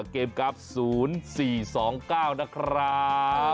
เกมกราฟ๐๔๒๙นะครับ